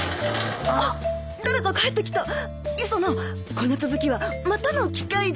この続きはまたの機会で。